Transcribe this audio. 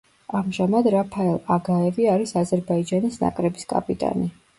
ამჟამად, რაფაელ აგაევი არის აზერბაიჯანის ნაკრების კაპიტანი.